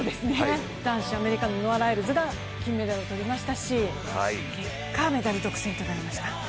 男子アメリカのノア・ライルズが金メダルを取りましたし、結果メダル独占となりました。